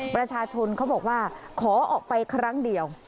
ประชาชนเขาบอกว่าขอออกไปครั้งเดียว